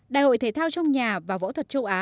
đại hội thể thao trong nhà và võ thuật châu á